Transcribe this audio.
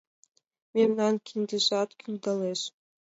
Мемнан киндыжат кӱылдалеш